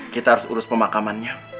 kita harus urus pemakamannya